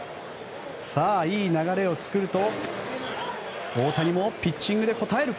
いい流れを作ると大谷もピッチングで応える。